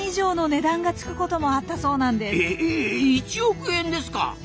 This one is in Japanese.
え１億円ですか！？